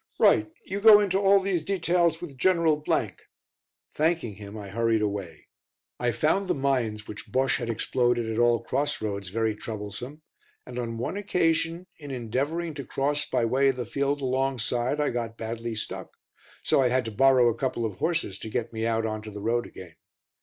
"Right. You go into all these details with General ." Thanking him I hurried away. I found the mines which Bosche had exploded at all cross roads very troublesome, and on one occasion, in endeavouring to cross by way of the field alongside, I got badly stuck; so I had to borrow a couple of horses to get me out on to the road again.